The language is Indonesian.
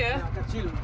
ini yang kecil